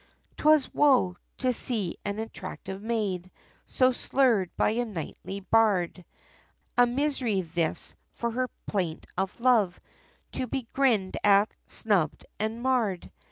Twas woe! to see an attractive maid, So slurred, by a knightly bard, A misery this, for her plaint of love, To be grinned at, snubbed, and marred!